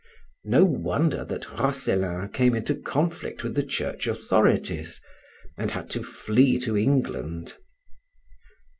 No wonder that Roscellin came into conflict with the church authorities, and had to flee to England.